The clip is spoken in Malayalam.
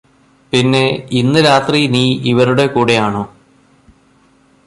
പിന്നെ ഇന്ന് രാത്രി നീ ഇവരുടെ കൂടെയാണോ